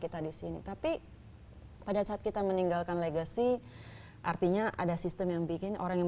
kita disini tapi pada saat kita meninggalkan legacy artinya ada sistem yang bikin orang yang